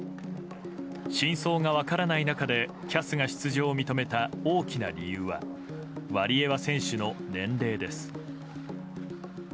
真相が分からない中でＣＡＳが出場を認めた大きな理由はワリエワ選手の年齢です。